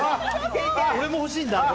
俺も欲しいんだ。